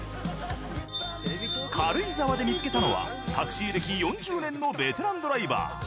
軽井沢で見つけたのはタクシー歴４０年のベテランドライバー。